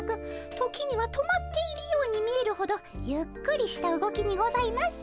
時には止まっているように見えるほどゆっくりした動きにございます。